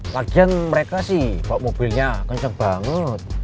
lagian mereka sih bawa mobilnya kencang banget